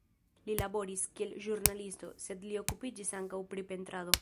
Li laboris, kiel ĵurnalisto, sed li okupiĝis ankaŭ pri pentrado.